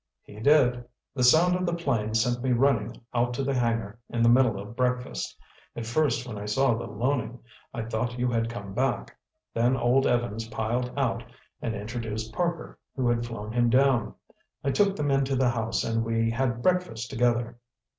"He did. The sound of the plane sent me running out to the hangar in the middle of breakfast. At first when I saw the Loening, I thought you had come back. Then old Evans piled out and introduced Parker, who had flown him down. I took them into the house and we had breakfast together."